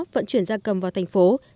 vận chuyển gia cầm vào tp hcm